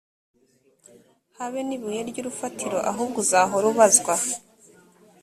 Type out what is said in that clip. habe n ibuye ry urufatiro ahubwo uzahora ubazwa